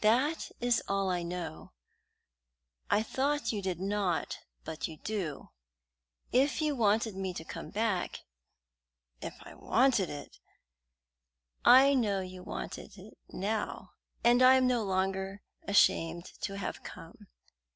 That is all I know. I thought you did not, but you do. If you wanted me to come back " "If I wanted it!" "I know you wanted it now, and I am no longer ashamed to have come.